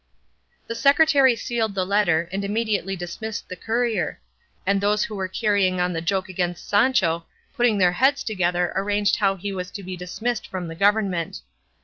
The secretary sealed the letter, and immediately dismissed the courier; and those who were carrying on the joke against Sancho putting their heads together arranged how he was to be dismissed from the government.